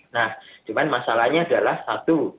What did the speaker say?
nah cuman masalahnya adalah satu